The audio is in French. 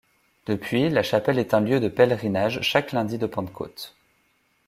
Depuis, la chapelle est un lieu de pèlerinage chaque lundi de Pentecôte.